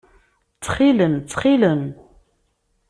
Ttxil-m! Ttxil-m!